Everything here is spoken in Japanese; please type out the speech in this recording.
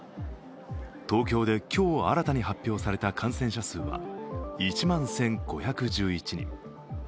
東京で今日、新たに発表された感染者数は１万１５１１人。